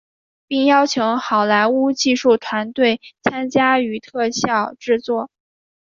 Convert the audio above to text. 并邀请好莱坞技术团队参与特效制作。